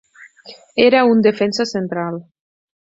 Era un defensa central.